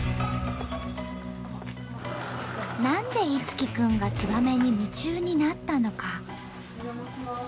何で樹くんがツバメに夢中になったのか。